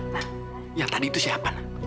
nah yang tadi itu siapa nanti